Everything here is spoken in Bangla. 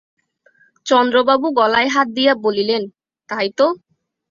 চন্দ্রবাবু গলায় হাত দিয়া বলিলেন, তাই তো!